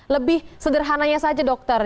lebih sederhananya saja dokter